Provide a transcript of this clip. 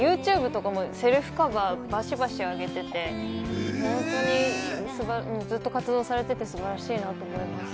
ＹｏｕＴｕｂｅとかもセルフカバーをバシバシ上げてて、ずっと活動されていて、素晴らしいなと思います。